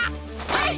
はい！